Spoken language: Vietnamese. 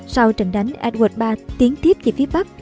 sau trận đánh edward iii tiến tiếp chỉ phía bắc